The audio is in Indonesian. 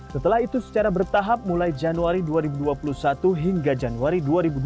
setelah itu secara bertahap mulai januari dua ribu dua puluh satu hingga januari dua ribu dua puluh